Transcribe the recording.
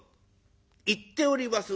言っております